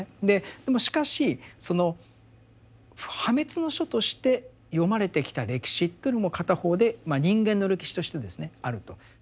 でもしかしその破滅の書として読まれてきた歴史というのも片方でまあ人間の歴史としてあると。